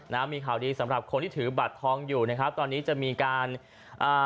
นะมีข่าวดีสำหรับคนที่ถือบัตรทองอยู่นะครับตอนนี้จะมีการอ่า